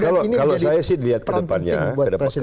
kalau saya sih lihat ke depannya